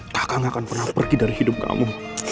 kakak gak akan pernah pergi dari hidup kamu